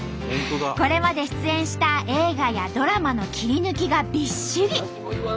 これまで出演した映画やドラマの切り抜きがびっしり！